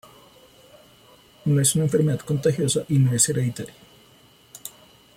No es una enfermedad contagiosa y no es hereditaria.